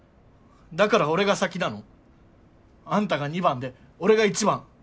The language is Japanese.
だから俺が先なの。あんたが２番で俺が１番。